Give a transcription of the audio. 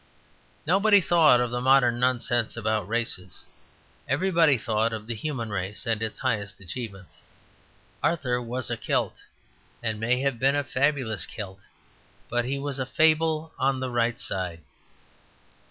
Nobody thought of the modern nonsense about races; everybody thought of the human race and its highest achievements. Arthur was a Celt, and may have been a fabulous Celt; but he was a fable on the right side.